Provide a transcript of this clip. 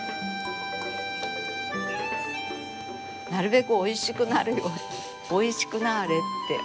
なるべくおいしくなるようにおいしくなれ！ってお祈りすること。